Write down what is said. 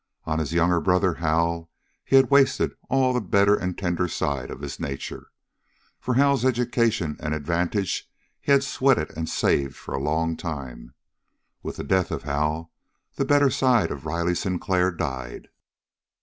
On his younger brother, Hal, he had wasted all the better and tenderer side of his nature. For Hal's education and advantage he had sweated and saved for a long time. With the death of Hal, the better side of Riley Sinclair died.